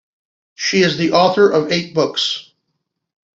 She is the author of eight books.